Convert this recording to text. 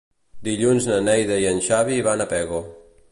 Dilluns na Neida i en Xavi van a Pego.